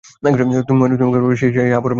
তুমি কি মনে কর, সে আবু বকর আবদুল্লাহ হতে পারে?